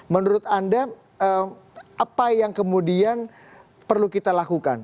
menurut anda apa yang kemudian perlu kita lakukan